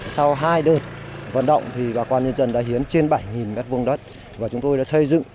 sau hai đợt vận động thì bà con nhân dân đã hiến trên bảy m hai đất và chúng tôi đã xây dựng